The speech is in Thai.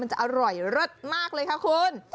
มันจะอร่อยรสมากเลยค่ะคุณ